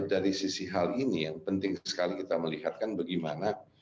dari sisi hal ini yang penting sekali kita melihatkan bagaimana